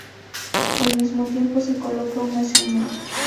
Al mismo tiempo se coloca un nacimiento.